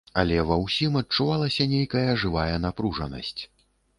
Але ва ўсім адчувалася нейкая жывая напружанасць.